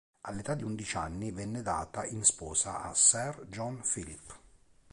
All'età di undici anni venne data in sposa a Sir John Philip.